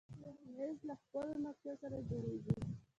مېز له ښکلو نقشو سره جوړېږي.